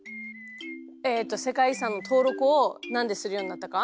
えっと世界遺産の登録をなんでするようになったか？